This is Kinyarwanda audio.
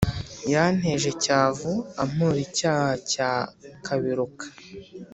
yanteje cyavu ampora icyaha cya kaberuka